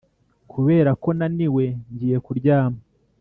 Kuberako naniwe ngiye kuryama